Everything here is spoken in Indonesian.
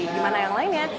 gimana yang lainnya